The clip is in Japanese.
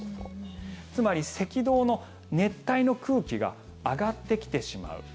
つまり、赤道の熱帯の空気が上がってきてしまう。